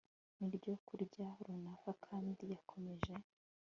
ryibyokurya runaka kandi yakomeje